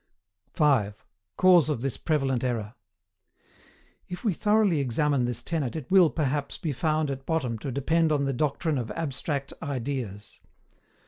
5. CAUSE OF THIS PREVALENT ERROR. If we thoroughly examine this tenet it will, perhaps, be found at bottom to depend on the doctrine of ABSTRACT IDEAS.